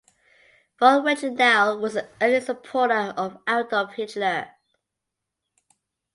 Von Reichenau was an early supporter of Adolf Hitler.